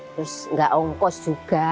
terus nggak ongkos juga